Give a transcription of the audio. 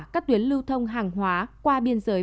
các tuyến lưu thông hàng hóa qua biên giới